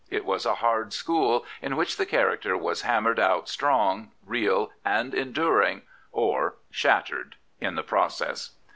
It was a hard school, in which the character was hammered out strong, real, and enduring, or shattered in the process.